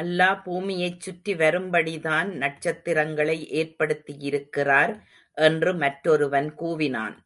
அல்லா, பூமியைச்சுற்றி வரும்படிதான் நட்சத்திரங்களை ஏற்படுத்தியிருக்கிறார் என்று மற்றொருவன் கூவினான்.